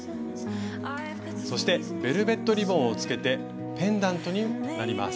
そしてベルベットリボンをつけてペンダントになります。